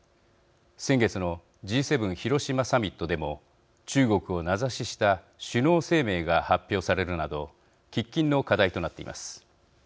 先月のＧ７広島サミットでも中国を名指しした首脳声明が発表されるなど喫緊の課題となっています。